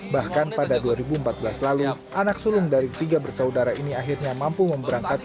bahkan pada dua ribu empat belas lalu anak sulung dari tiga bersaudara ini akhirnya mampu memberangkatkan